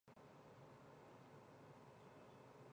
伊奈牛站石北本线上的站。